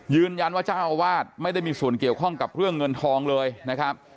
ยืนยันว่าเจ้าอาวาสไม่ได้มีส่วนเกี่ยวข้องกับเรื่องเงินทองเลยนะครับ